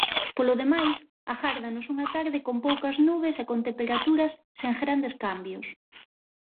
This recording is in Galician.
Polo demais, agárdanos unha tarde con poucas nubes e con temperaturas sen grandes cambios.